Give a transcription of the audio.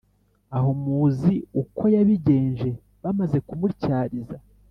aho muzi uko yabigenje bamaze kumutyariza?